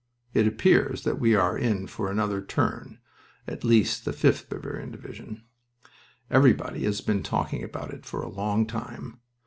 It appears that we are in for another turn at least the 5th Bavarian Division. Everybody has been talking about it for a long time.